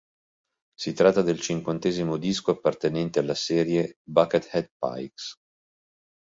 Si tratta del cinquantesimo disco appartenente alla serie "Buckethead Pikes".